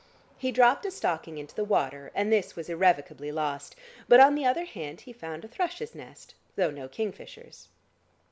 He dropped a stocking into the water, and this was irrevocably lost, but on the other hand he found a thrush's nest, though no kingfisher's.